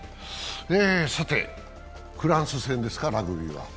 フランス戦ですかラグビーは。